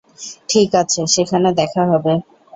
ঠিক আছে, সেখানে দেখা হবে।